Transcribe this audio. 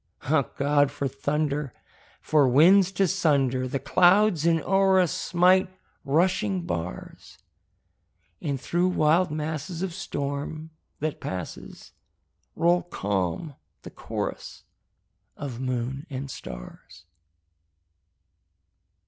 Ah, God! for thunder! for winds to sunder The clouds and o'er us smite rushing bars! And through wild masses of storm, that passes, Roll calm the chorus of moon and stars.